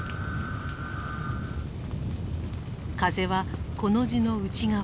風はコの字の内側